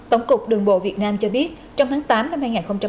tổng cục đường bộ việt nam cho biết trong tháng tám năm hai nghìn một mươi sáu